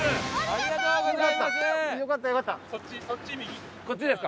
ありがとうございます。